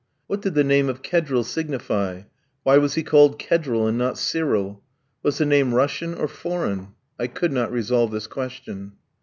What did the name of Kedril signify? Why was he called Kedril and not Cyril? Was the name Russian or foreign? I could not resolve this question.